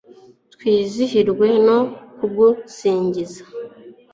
twizihirwe no kugusingiza